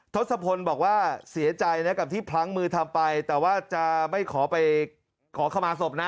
ทศพลบอกว่าเสียใจนะกับที่พลั้งมือทำไปแต่ว่าจะไม่ขอไปขอขมาศพนะ